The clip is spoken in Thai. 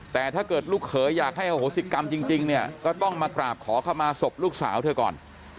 แต่ถ้าเกิดลูกเขยอยากให้อโหสิกรรมจริงเนี่ยก็ต้องมากราบขอเข้ามาศพลูกสาวเธอก่อน